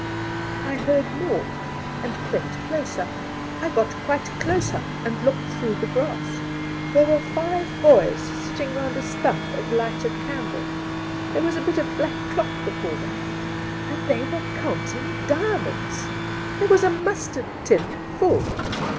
I heard more and crept closer. I got quite close up and looked through the grass. There were five boys sitting round a stump of lighted candle ; there was a bit of black cloth before them, and tjbej' were counting diamonds! There was a mustard tin full.